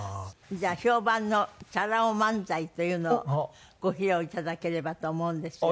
じゃあ評判のチャラ男漫才というのをご披露頂ければと思うんですが。